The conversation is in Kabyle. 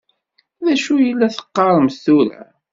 D acu i la teqqaṛemt tura?